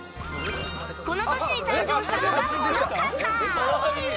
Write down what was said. この年に誕生したのがこの方。